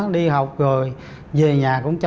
đi học rồi về nhà cũng chắc